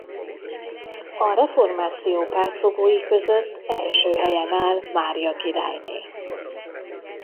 A reformáció pártfogói között első helyen áll Mária királyné.